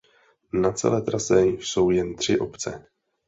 Na celé trase jsou jen tři obce.